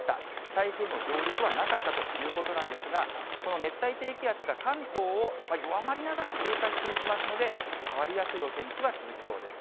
台風の上陸はなかったということなんですが、この熱帯低気圧が関東を弱まりながら通過していきますので、変わりやすいお天気は続きそうです。